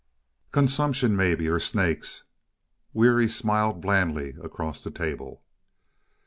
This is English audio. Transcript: "Consumption, maybe or snakes." Weary smiled blandly across the table.